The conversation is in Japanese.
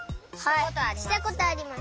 したことあります。